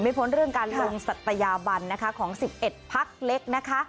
ไม่พ้นเรื่องการลงศัตยาบันของ๑๑ภักดิ์เล็ก